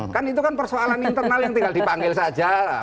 kan itu kan persoalan internal yang tinggal dipanggil saja